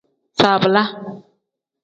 Zabiila.